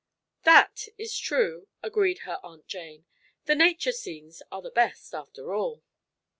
"That is true," agreed her Aunt Jane. "The nature scenes are the best, after all."